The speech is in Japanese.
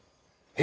え？